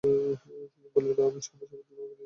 তিনি বললেন, আমি ছমাসের মধ্যে তোমাকে নিয়ে যাব।